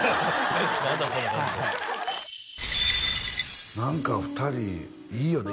何だその感想何か２人いいよね